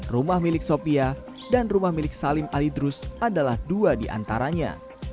rumah milik sopia dan rumah milik salim alidrus adalah dua di antaranya